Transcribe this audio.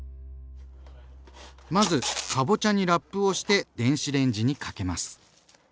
まずかぼちゃにラップをして電子レンジにかけます。